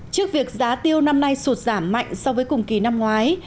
trước việc giá tiêu năm nay sụt giảm mạnh so với cùng kỳ năm ngoái